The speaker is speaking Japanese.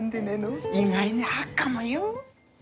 意外にあっかもよぉ！？